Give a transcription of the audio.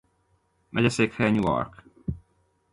Megyeszékhelye Newark.